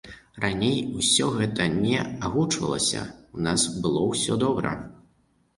Раней усё гэта не агучвалася, у нас было ўсё добра.